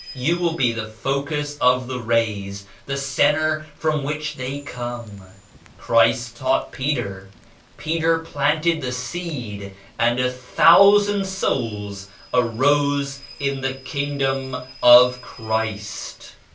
You will be the focus of the rays ; the centre from which they come. Christ taught Peter. Peter planted the seed and a thousand souls arose in the Kingdom of Christ.